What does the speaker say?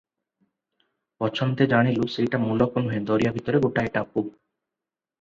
ପଛନ୍ତେ ଜାଣିଲୁ, ସେଇଟା ମୁଲକ ନୁହେଁ, ଦରିଆ ଭିତରେ ଗୋଟାଏ ଟାପୁ ।